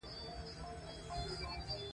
ډېری پښتانه خپلې ژبې ته پوره ارزښت نه ورکوي.